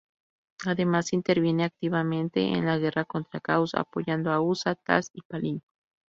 Además interviene activamente en la guerra contra Caos apoyando a Usha, Tas y Palin.